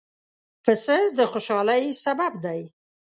پسه د خوشحالۍ سبب دی.